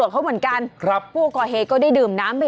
แต่คุณเชื่อไหม